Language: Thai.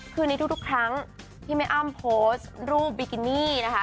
คือในทุกครั้งที่แม่อ้ำโพสต์รูปบิกินี่นะคะ